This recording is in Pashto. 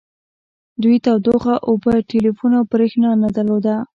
دوی تودوخه اوبه ټیلیفون او بریښنا نه درلوده